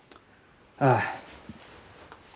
ああ。